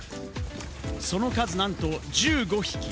その数なんと１５匹！